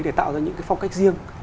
để tạo ra những cái phong cách riêng